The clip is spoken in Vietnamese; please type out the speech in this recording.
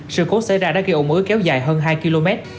sự cố xảy ra đã gây ổn ứ kéo dài hơn hai km